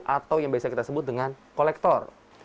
atau yang biasa kita sebut dengan kolektor